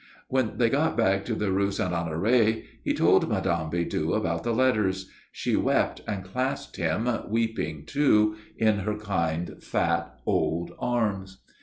When they got back to the Rue Saint Honoré he told Mme. Bidoux about the letters. She wept and clasped him, weeping too, in her kind, fat old arms.